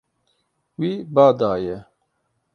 Wî ba daye.